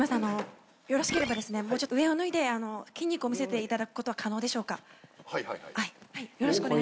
よろしければ上を脱いで筋肉を見せていただくことは可能でしょうか？